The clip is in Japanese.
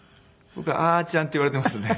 僕あーちゃんって言われてますね。